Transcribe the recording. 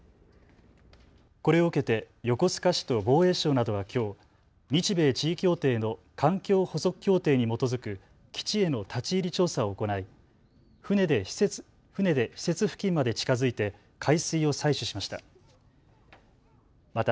これを受けて横須賀市と防衛省などはきょう、日米地位協定の環境補足協定に基づく基地への立ち入り調査を行い、船で施設付近まで近づいて海水を採取しました。